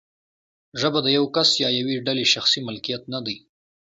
ژبه د یو کس یا یوې ډلې شخصي ملکیت نه دی.